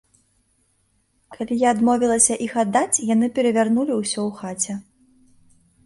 Калі я адмовілася іх аддаць, яны перавярнулі ўсё ў хаце.